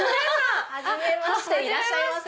はじめましていらっしゃいませ。